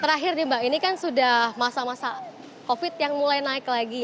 terakhir nih mbak ini kan sudah masa masa covid yang mulai naik lagi